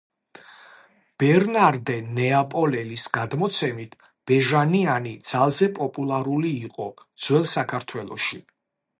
ბერნარდე ნეაპოლელის გადმოცემით, „ბეჟანიანი“ ძალზე პოპულარული იყო ძველ საქართველოში.